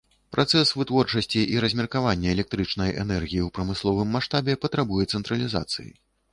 Працэс вытворчасці і размеркавання электрычнай энергіі ў прамысловым маштабе патрабуе цэнтралізацыі.